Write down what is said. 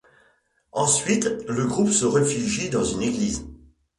Ensuite, le groupe se refugie dans une église.